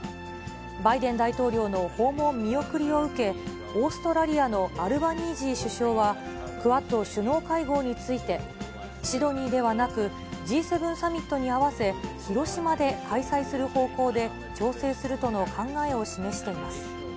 バイデン大統領の訪問見送りを受け、オーストラリアのアルバニージー首相は、クアッド首脳会合について、シドニーではなく、Ｇ７サミットに合わせ、広島で開催する方向で調整するとの考えを示しています。